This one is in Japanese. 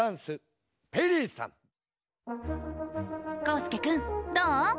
こうすけくんどう？